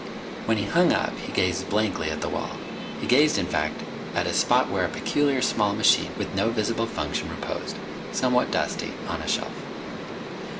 When he hung up, he gazed blankly at the wall. He gazed, in fact, at a spot where a peculiar small machine with no visible function reposed somewhat dusty on a shelf.